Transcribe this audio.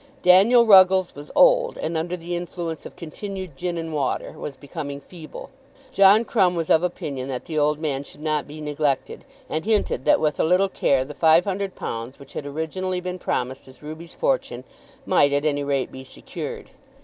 Daniel Ruggles was old, and, under the influence of continued gin and water, was becoming feeble. John Crumb was of opinion that the old man should not be neglected, and hinted that with a little care the five hundred pounds which had originally been promised as Ruby's fortune, might at any rate be secured.